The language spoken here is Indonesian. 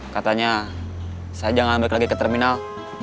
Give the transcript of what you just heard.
katanya saya jangan balik lagi ke terminal